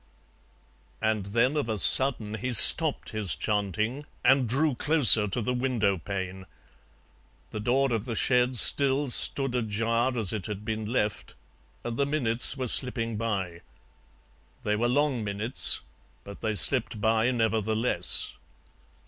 And then of a sudden he stopped his chanting and drew closer to the window pane. The door of the shed still stood ajar as it had been left, and the minutes were slipping by. They were long minutes, but they slipped by nevertheless.